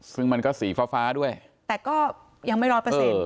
ซึ่งมันก็สีฟ้าฟ้าด้วยแต่ก็ยังไม่ร้อยเปอร์เซ็นต์